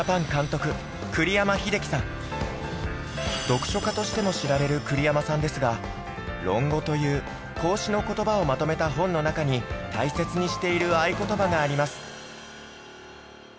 読書家としても知られる栗山さんですが『論語』という孔子の言葉をまとめた本の中に大切にしている愛ことばがあります。